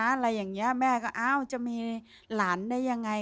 อะไรอย่างนี้แม่ก็อ้าวจะมีหลานได้ยังไง